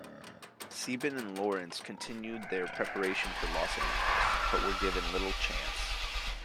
Sieben and Lawrence continued their preparation for Los Angeles, but were given little chance.